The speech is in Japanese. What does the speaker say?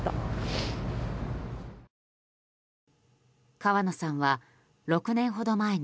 川野さんは６年ほど前に